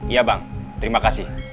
iya bang terima kasih